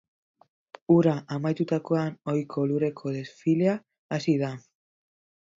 Hura amaitutakoan, ohiko lurreko desfilea hasi da.